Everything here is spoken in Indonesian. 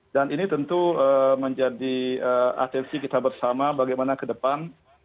dan ini tentu menjadi atensi kita bersama bagaimana ke depan